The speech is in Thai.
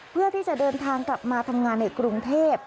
เพื่อที่จะเดินทางกลับมาทำงานในกรุงเทพ